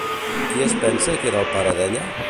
Qui es pensa que era el pare d'ella?